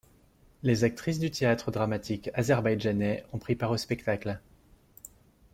Les actrices du théâtre dramatique azerbaïdjanais ont pris part au spectacle.